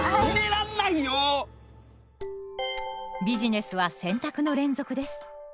ビジネスは選択の連続です。